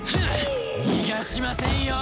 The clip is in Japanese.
逃がしませんよ！